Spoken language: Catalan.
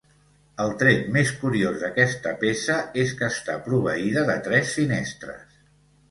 El tret més curiós d'aquesta peça és que està proveïda de tres finestres.